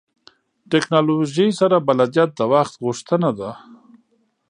ټکنالوژۍ سره بلدیت د وخت غوښتنه ده.